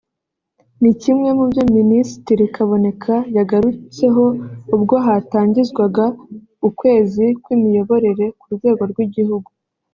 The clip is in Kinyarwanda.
ni kimwe mu byo Minisitiri Kaboneka yagarutseho ubwo hatangizwaga ukwezi kw’imiyoborere ku rwego rw’igihugu